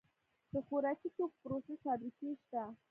د خوراکي توکو پروسس فابریکې شته